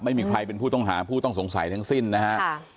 ไม่มีใครเป็นผู้ต้องหาผู้ต้องสงสัยทั้งสิ้นนะฮะ